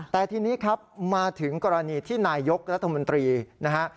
แต่ทีนี้ครับมาถึงกรณีที่นายยกรัฐมนตรีนะฮะ